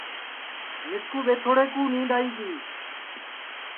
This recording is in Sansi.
مِسکُو ٻیٹھوڑے کُو نِینٚدؔ آئی گی